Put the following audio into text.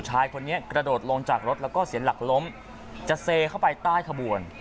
ชายคนนี้กระโดดลงจากรถแล้วก็เสียหลักล้มจะเซเข้าไปใต้ขบวน